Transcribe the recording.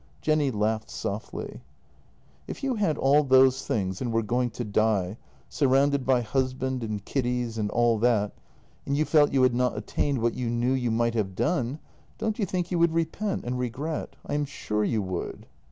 " Jenny laughed softly. " If you had all those things and were going to die, sur rounded by husband and kiddies and all that, and you felt you had not attained what you knew you might have done, don't you think you would repent and regret? I am sure you would."